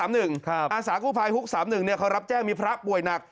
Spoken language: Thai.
ฮุก๓๑อาสากภายฮุก๓๑เนี่ยเขารับแจ้งมีพระปวยหนัก